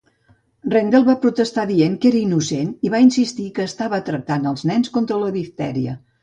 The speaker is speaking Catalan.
Rendell va protestar dient que era innocent i va insistir que estava tractant els nens contra la diftèria.